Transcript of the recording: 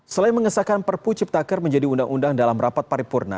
selain mengesahkan perpu ciptaker menjadi undang undang dalam rapat paripurna